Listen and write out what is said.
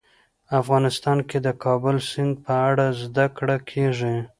افغانستان کې د کابل سیند په اړه زده کړه کېږي.